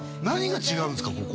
何が違うんですか？